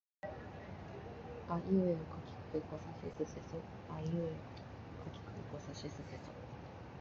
あいうえおかきくけこさしすせそあいうえおかきくけこさしすせそ